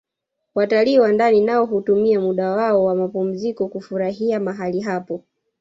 Watalii wa ndani nao hutumia muda wao wa mapumziko kufurahia mahali hapo